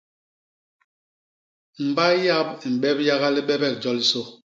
Mbay yap i mbep yaga libebek jolisô.